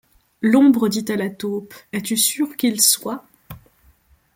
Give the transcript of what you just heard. L’ombre dit à la taupe es-tu sûre qu’il soit ?